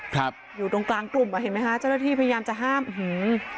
ครับอยู่ตรงกลางกลุ่มอ่ะเห็นไหมคะเจ้าหน้าที่พยายามจะห้ามอื้อหือ